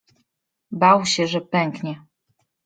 Bał się, że pęknie.